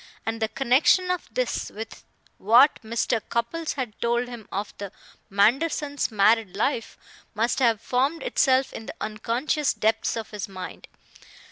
And the connection of this with what Mr. Cupples had told him of the Mandersons' married life must have formed itself in the unconscious depths of his mind.